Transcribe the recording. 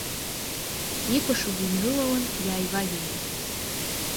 Икәашоз инрылалан, иааивагьежьит.